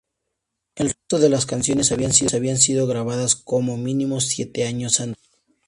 El resto de las canciones habían sido grabadas como mínimo siete años antes.